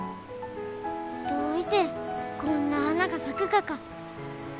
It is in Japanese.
どういてこんな花が咲くがか。